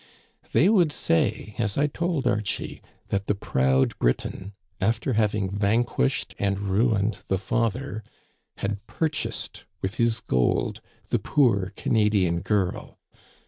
They would say, as I told Archie, that the proud Briton, after having vanquished and ruined the father, had purchased with his gold the poor Canadian girl